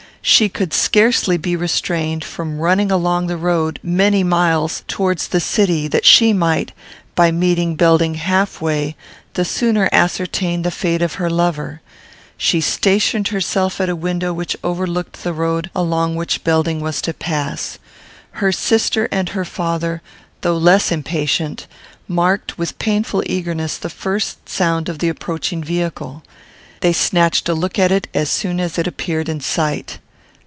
She could scarcely be restrained from running along the road, many miles, towards the city; that she might, by meeting Belding half way, the sooner ascertain the fate of her lover. She stationed herself at a window which overlooked the road along which Belding was to pass. Her sister and her father, though less impatient, marked, with painful eagerness, the first sound of the approaching vehicle. They snatched a look at it as soon as it appeared in sight.